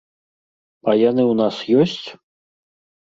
А яны ў нас ёсць?